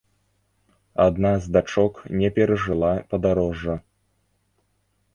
Адна з дачок не перажыла падарожжа.